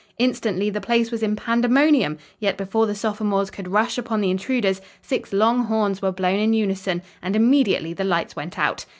Instantly the place was in pandemonium; yet before the sophomores could rush upon the intruders six long horns were blown in unison, and immediately the lights went out.